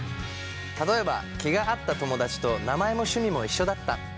例えば気が合った友だちと名前も趣味も一緒だった。